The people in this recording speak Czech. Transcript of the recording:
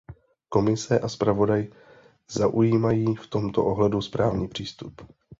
Komise a zpravodaj zaujímají v tomto ohledu správný přístup.